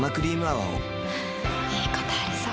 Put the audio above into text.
はぁいいことありそう。